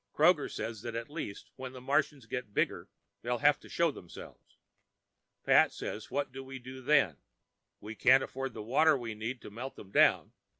Kroger says that at least when the Martians get bigger they'll have to show themselves. Pat says what do we do then? We can't afford the water we need to melt them down.